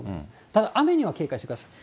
ただ、雨には警戒してください。